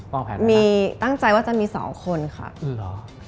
ป้องแผนไหมคะตั้งใจว่าจะมี๒คนค่ะอืมหรอ